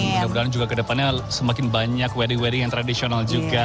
dan mudah mudahan juga kedepannya semakin banyak wedding wedding yang tradisional juga